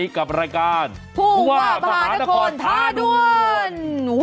อุ๊ยไกล่ลังมัน